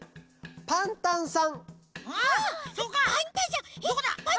あっパンタンさん